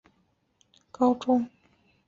有野晋哉与滨口优是国中与高中同学。